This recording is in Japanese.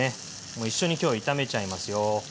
もう一緒に今日は炒めちゃいますよ。